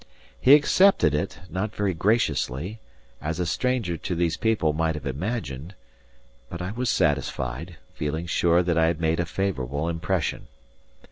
He accepted it; not very graciously, as a stranger to these people might have imagined; but I was satisfied, feeling sure that I had made a favourable impression.